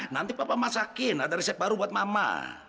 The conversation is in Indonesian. nanti papa masakin ada resep baru buat mama